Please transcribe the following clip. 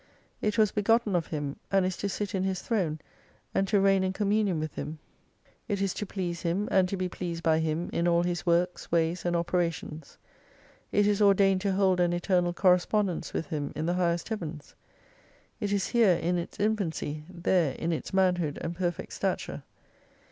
It was begotten of Him, and is to sit in His Throne, and to reign in communion with Him. It is to please Him and to be pleased by Him, in all His works, ways, and operations. It is ordained to hold an eternal correspondence with Him in the highest Heavens. It is here in its infancy, there in its man hood and perfect stature.